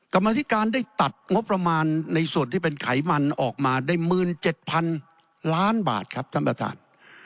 กรรมธิการได้ตัดงบประมาณในส่วนที่เป็นไขมันออกมาได้๑๗๐๐๐ล้านบาทครับท่านประธาน